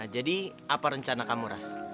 jadi apa rencana kamu ras